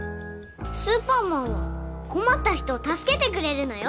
スーパーマンは困った人を助けてくれるのよ。